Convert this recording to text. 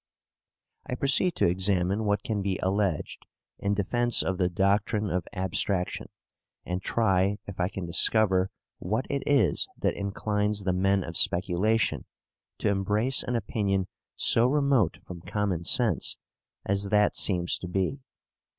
"I proceed to examine what can be alleged in defence of the doctrine of abstraction, and try if I can discover what it is that inclines the men of speculation to embrace an opinion so remote from common sense as that seems to be.